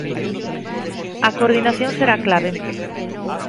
A coordinación será clave.